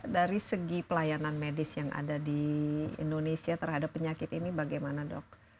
dari segi pelayanan medis yang ada di indonesia terhadap penyakit ini bagaimana dok